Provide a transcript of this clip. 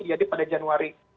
jadi pada januari